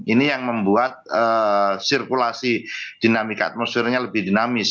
ini yang membuat sirkulasi dinamika atmosfernya lebih dinamis